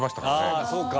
ああそうか。